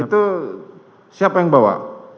itu siapa yang bawa